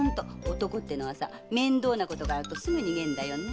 男って面倒なことがあるとすぐ逃げるんだよね！